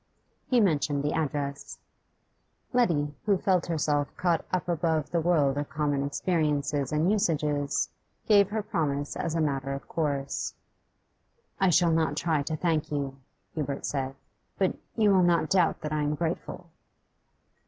He mentioned the address. Letty, who felt herself caught up above the world of common experiences and usages, gave her promise as a matter of course. 'I shall not try to thank you,' Hubert said. 'But you will not doubt that I am grateful?